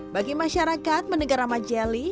bagi masyarakat menegarama jelly